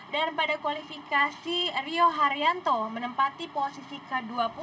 dan pada kualifikasi rio haryanto menempati posisi ke dua puluh